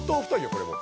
これもう。